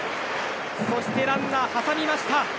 そしてランナー挟みました。